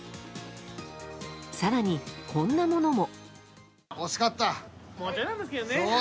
更に、こんなものも。